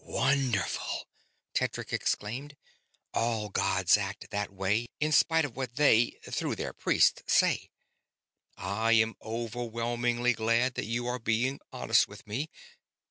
"Wonderful!" Tedric exclaimed. "All gods act that way, in spite of what they through their priests say. I am overwhelmingly glad that you are being honest with me.